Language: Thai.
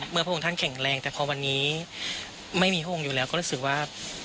เมื่อพวกงงท่านแข็งแรงแต่เพราะวันนี้ไม่มีพวกงงอยู่แล้วก็รู้สึกว่า